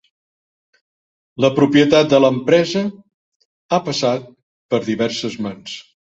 La propietat de l'empresa ha passat per diverses mans.